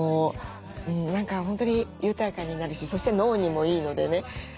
何か本当に豊かになるしそして脳にもいいのでね。